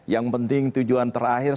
yang penting tujuan terakhir